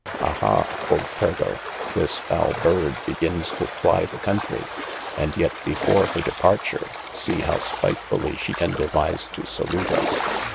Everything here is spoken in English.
A ha (quod Pergo) this foule byrd begines to flye the countrye, and yet before hir departure, see how spitfully she can devyse to salute us.